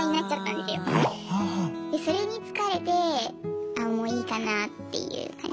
でそれに疲れてあもういいかなっていう感じ。